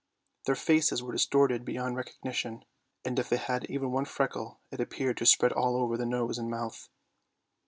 Their faces were distorted beyond recognition, and if they had even one freckle it appeared to spread all over the nose and mouth.